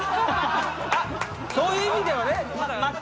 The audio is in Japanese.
そういう意味ではね。